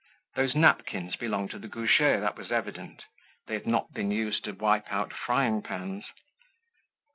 Those napkins belonged to the Goujets, that was evident; they had not been used to wipe out frying pans.